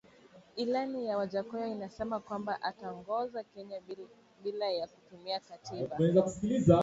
Ilani ya Wajackoya inasema kwamba ataongoza Kenya bila ya kutumia katiba